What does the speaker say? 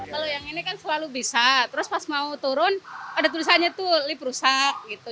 kalau yang ini kan selalu bisa terus pas mau turun ada tulisannya tuh lift rusak gitu